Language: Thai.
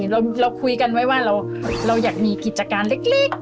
เราคุยกันไว้ว่าเราอยากมีกิจการเล็ก